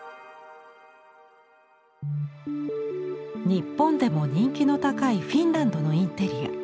日本でも人気の高いフィンランドのインテリア。